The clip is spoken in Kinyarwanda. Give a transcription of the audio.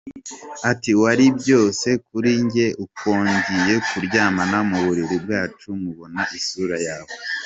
Ati “ Wari byose kuri njye, uko ngiye kuryama mu buriri bwacu mbona isura yawe.